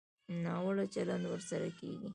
ناوړه چلند ورسره کېږي.